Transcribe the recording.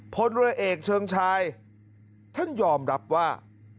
พลเรือเอกเชิงชายท่านยอมรับว่า